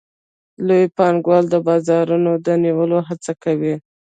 لوی پانګوال د بازارونو د نیولو هڅه کوي